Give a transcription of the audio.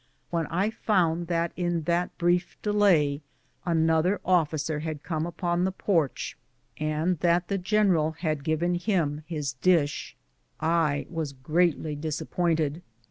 When I found that in that brief delay another officer had come upon the porch, and that the general had given him his dish, I was greatly disappointed.